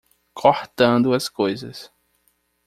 Cortando as coisas